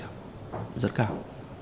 hơn bốn mươi rất cao